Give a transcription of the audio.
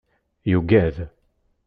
Yugad.